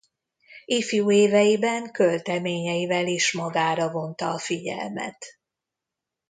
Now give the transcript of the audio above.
Ifjú éveiben költeményeivel is magára vonta a figyelmet.